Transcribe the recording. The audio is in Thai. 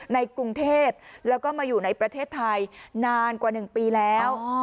ในกรุงเทพแล้วก็มาอยู่ในประเทศไทยนานกว่า๑ปีแล้ว